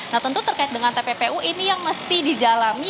nah tentu terkait dengan tppu ini yang mesti didalami